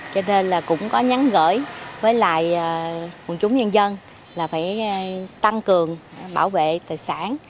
cho nên là cũng có nhắn gửi với lại quần chúng nhân dân là phải tăng cường bảo vệ tài sản